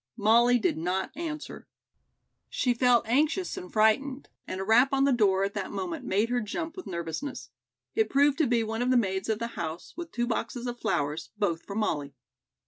Molly did not answer. She felt anxious and frightened, and a rap on the door at that moment made her jump with nervousness. It proved to be one of the maids of the house with two boxes of flowers, both for Molly.